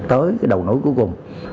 tới cái đầu nối cuối cùng